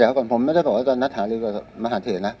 เดี๋ยวก่อนผมไม่ได้บอกว่าจะนัดหาลือกับมหาเถนะ